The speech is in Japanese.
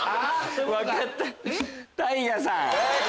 分かった！